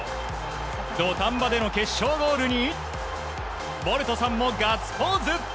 土壇場での決勝ゴールにボルトさんもガッツポーズ！